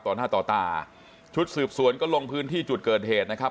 ต่อหน้าต่อตาชุดสืบสวนก็ลงพื้นที่จุดเกิดเหตุนะครับ